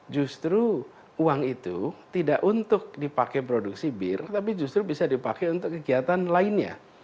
justru uang itu tidak untuk dipakai produksi bir tapi justru bisa dipakai untuk kegiatan lainnya